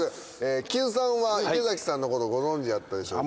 木津さんは池崎さんのことをご存じやったでしょうか？